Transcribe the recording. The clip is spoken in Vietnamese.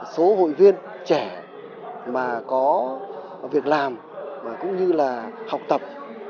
số hội viên trẻ mà có việc làm cũng như là học tập